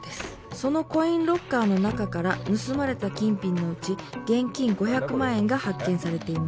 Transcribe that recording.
そのコインロッカーの中から盗まれた金品のうち現金５００万円が発見されています